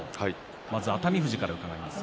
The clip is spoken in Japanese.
まず熱海富士から伺います。